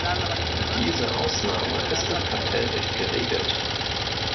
Diese Ausnahme ist im Kartellrecht geregelt.